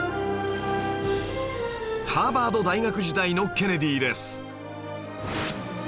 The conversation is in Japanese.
ハーバード大学時代のケネディです